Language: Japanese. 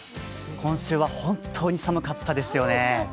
今週は本当に寒かったですよね。